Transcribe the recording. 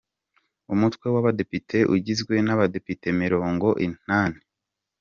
Umutwe w’Abadepite ugizwe n’Abadepite mirongo inani, baturuka kandi batorerwa mu byiciro bitandukanye.